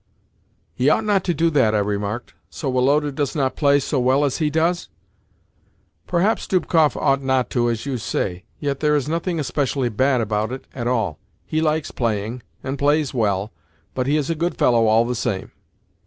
"He ought not to do that," I remarked. "So Woloda does not play so well as he does?" "Perhaps Dubkoff ought not to, as you say, yet there is nothing especially bad about it all. He likes playing, and plays well, but he is a good fellow all the same."